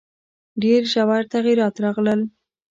ډېر ژور تغییرات راغلل.